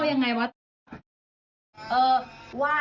ว่ายังไงวะ